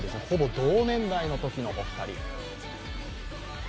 ほぼ同年代のときのお二人。